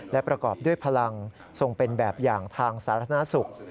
และประกอบด้วยพลังทรงเป็นแบบอย่างทางสาธารณสุข